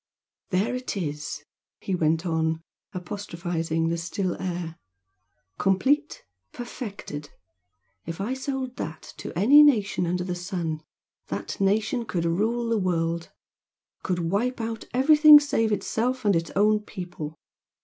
"There it is!" he went on, apostrophising the still air "Complete, perfected! If I sold that to any nation under the sun, that nation could rule the world! could wipe out everything save itself and its own people!